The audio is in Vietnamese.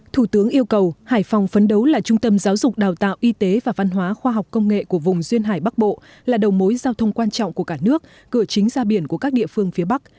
thủ tướng yêu cầu hải phòng phấn đấu là trung tâm giáo dục đào tạo y tế và văn hóa khoa học công nghệ của vùng duyên hải bắc bộ là đầu mối giao thông quan trọng của cả nước cửa chính ra biển của các địa phương phía bắc